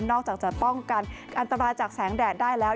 อกจากจะป้องกันอันตรายจากแสงแดดได้แล้ว